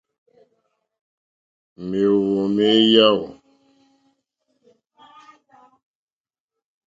Mèóhwò mé yáò.